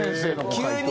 急に。